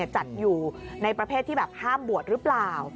จัดอยู่ในประเภทที่แบบห้ามบวชหรือเปล่า